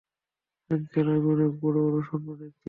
Uncle আমি, অনেক বড় বড় স্বপ্ন দেখেছি।